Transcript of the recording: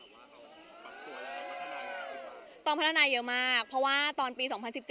ว่าต้องพัฒนาเยอะมากเพราะว่าตอนปี๒๐๑๗